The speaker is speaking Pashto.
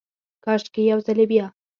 کاشکي ، یو ځلې بیا،